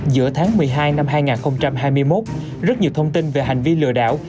giữa tháng một mươi hai năm hai nghìn hai mươi một rất nhiều thông tin về hành vi lừa đảo